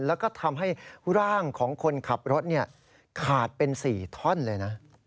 แล้วก็ทำให้ร่างของคนขับรถขาดเป็น๔ท่อนเลยนะ